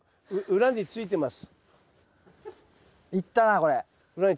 裏についてます。